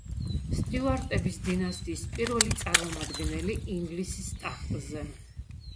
სტიუარტების დინასტიის პირველი წარმომადგენელი ინგლისის ტახტზე.